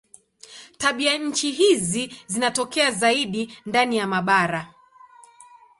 Tabianchi hizi zinatokea zaidi ndani ya mabara.